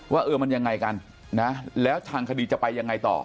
ว่าเออมันยังไงกันนะแล้วทางคดีจะไปยังไงต่อ